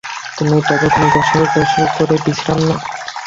তুমি ততক্ষণে গোসলটোসল করে বিশ্রাম নাও।